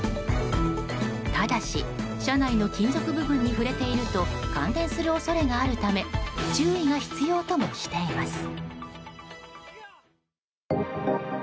ただし車内の金属部分に触れていると感電する恐れがあるため注意が必要ともしています。